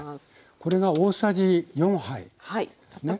これが大さじ４杯ですね。